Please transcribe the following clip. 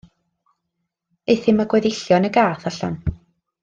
Euthum â gweddillion y gath allan.